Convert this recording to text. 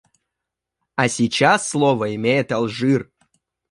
А сейчас слово имеет Алжир.